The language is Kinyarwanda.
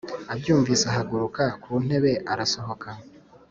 abyumvise ahaguruka ku ntebe arasohoka